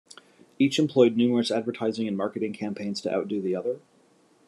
Each employed numerous advertising and marketing campaigns to outdo the other.